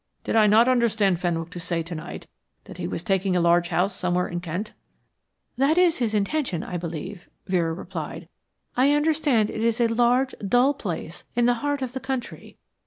Did I not understand Fenwick to say to night that he was taking a large house somewhere in Kent?" "That is his intention, I believe," Vera replied. "I understand it is a large, dull place in the heart of the country.